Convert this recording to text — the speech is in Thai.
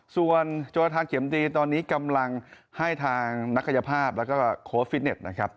ส่วนโจทาเข็มตีตอนนี้กำลังให้ทางนักกายภาพแล้วก็โค้ฟิตเน็ตนะครับ